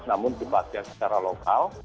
namun di pasir secara lokal